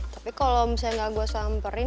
tapi kalau misalnya gak gue samperin